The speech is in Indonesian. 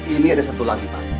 ini ada satu lagi pak